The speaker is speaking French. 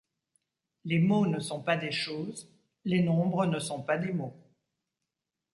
Les mots ne sont pas des choses : les nombres ne sont pas des mots.